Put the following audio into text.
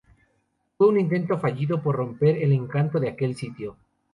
Fue un intento fallido por romper el encanto de aquel sitio.